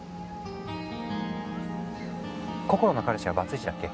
こころの彼氏はバツイチだっけ？